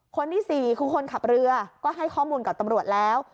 คนที่๔คือคนขับเรือก็ให้ข้อมูลกับตำรวจแล้ว